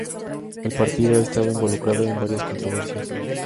El partido ha estado involucrado en varias controversias.